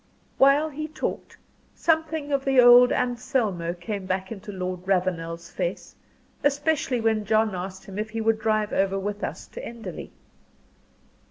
While he talked, something of the old "Anselmo" came back into Lord Ravenel's face: especially when John asked him if he would drive over with us to Enderley.